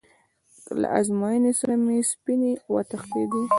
له ازموینې سره مې سپینې وتښتېدې.